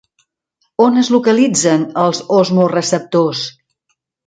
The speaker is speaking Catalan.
On es localitzen els osmoreceptors?